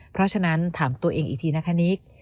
เพราะฉะนั้นถามตัวเองอีกทีนะคะนิก